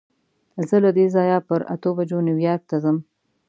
زه له دې ځایه پر اتو بجو نیویارک ته ځم.